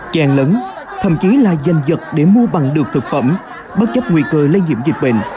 chèn lấn thậm chí là danh dật để mua bằng được thực phẩm bất chấp nguy cơ lây nhiễm dịch bệnh